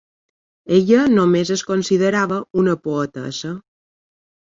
Ella només es considerava una poetessa.